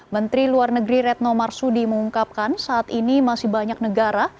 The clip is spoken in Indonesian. menteri luar negeri retno marsudi mengungkapkan saat ini masih banyak negara